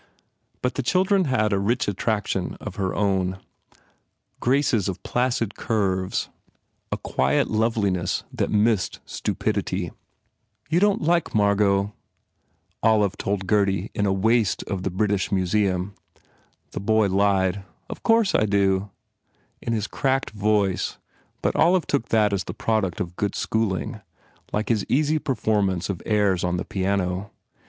But the child had a rich attraction of her own, graces of placid curves, a quiet loveli ness that missed stupidity. 96 PENALTIES "You don t like Margot," Olive told Gurdy in a waste of the British Museum. The boy lied, "Of course I do," in his cracked voice but Olive took that as the product of good schooling, like his easy performance of airs on the piano.